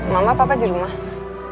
mama apa apa aja rumah